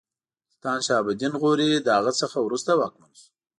سلطان شهاب الدین غوري له هغه څخه وروسته واکمن شو.